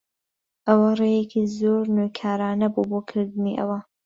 ئەوە ڕێیەکی زۆر نوێکارانە بوو بۆ کردنی ئەوە.